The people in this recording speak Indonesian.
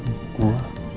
gue gak percaya bi